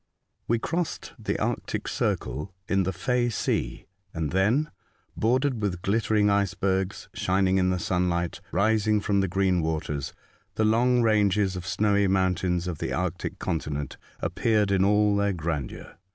We crossed the Arctic circle in the Faye Sea, and then, bordered with glittering icebergs, shining in the sunlight rising from the green waters, the long ranges of snowy mountains of the Arctic continent appeared in all their grandeur.